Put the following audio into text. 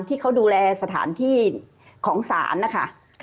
ที่เขาดูแลสถานที่ของศาลนะคะ